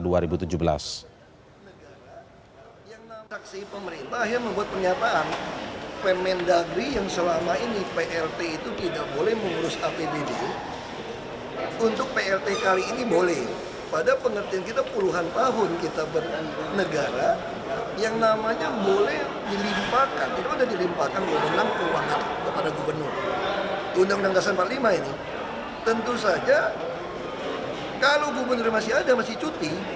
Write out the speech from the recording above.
untuk para gubernur undang undang dasar empat puluh lima ini tentu saja kalau gubernur masih ada masih cuti